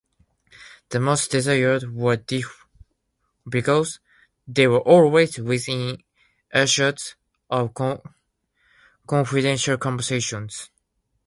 The most desired were deaf because they were always within earshot of confidential conversations.